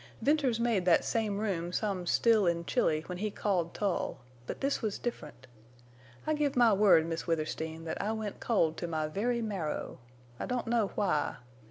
Venters made thet same room some still an' chilly when he called Tull; but this was different. I give my word, Miss Withersteen, thet I went cold to my very marrow. I don't know why.